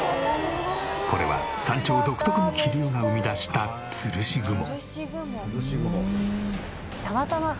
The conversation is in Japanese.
これは山頂独特の気流が生み出した吊るし雲。